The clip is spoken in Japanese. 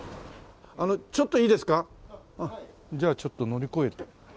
じゃあちょっと乗り越えて。